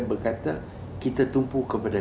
berkata kita tumpu kepada